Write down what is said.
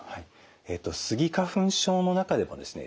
スギ花粉症の中でもですね